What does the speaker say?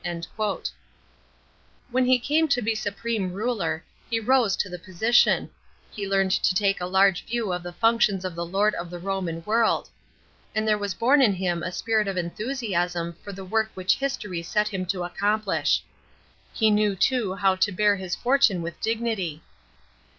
"* When he came to be supreme ruler, he rose to the position; ho learned to take a large view of the functions of the lord of ihe Uonian world; and there was born in him a spirit oi enthusiasm for the work1 which history set him to accomplish. H« knew too how to bear his fortune with dignity.